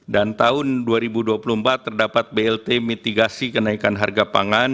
dan tahun dua ribu dua puluh empat terdapat blt mitigasi kenaikan harga pangan